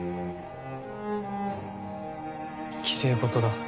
きれい事だ。